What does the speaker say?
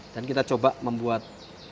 dan kita coba membuat